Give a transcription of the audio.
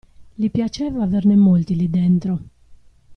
Gli piaceva averne molti lì dentro.